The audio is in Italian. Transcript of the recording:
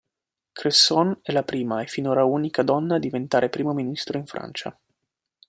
Cresson è la prima, e finora unica, donna a diventare Primo ministro in Francia.